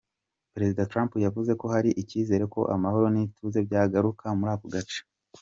Perezida Trump yavuze ko hari icyizere ko amahoro n’ ituze byagaruka muri ako gace.